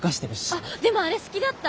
あっでもあれ好きだった。